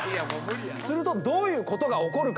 するとどういうことが起こるか。